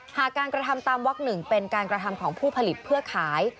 หากการกระทำตามวัก๑เป็นการกระทำของผู้ผลิตเพื่อขาย